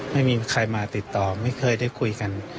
ไม่มีใครมาติดต่อไม่เคยได้คุยกัน